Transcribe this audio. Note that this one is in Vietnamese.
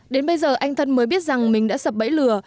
đến bây giờ anh thân mới biết rằng mình đã sập bẫy lừa